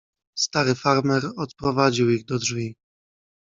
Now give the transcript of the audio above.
"Stary farmer odprowadził ich do drzwi."